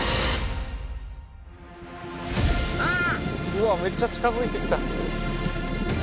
うわめっちゃ近づいてきた。